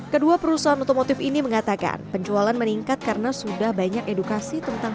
kedua perusahaan otomotif ini mengatakan penjualan meningkat karena sudah banyak edukasi tentang